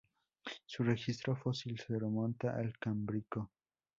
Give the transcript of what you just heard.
Su registro fósil se remonta al Cámbrico.